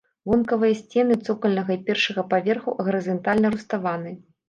Вонкавыя сцены цокальнага і першага паверхаў гарызантальна руставаны.